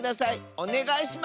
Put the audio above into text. おねがいします！